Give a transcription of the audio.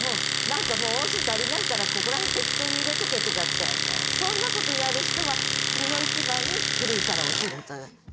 何かもう音数足りないからここら辺適当に入れとけとかってそんなことやる人はそういう話です。